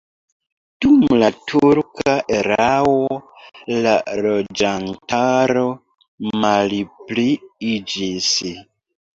Dum la turka erao la loĝantaro malpliiĝis.